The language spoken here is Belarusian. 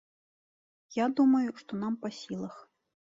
Я думаю, што нам па сілах.